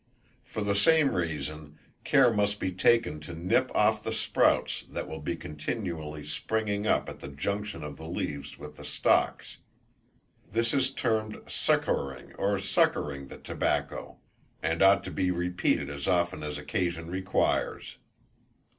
For the same reasons care must be taken to nip off the sprouts that will be continually springing up at the junction of the leaves with the stalks. "This is termed succouring or suckering the tobacco," and ought to be repeated as often as occasion requires.